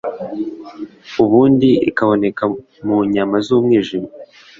ubundi ikaboneka mu nyama z’umwijima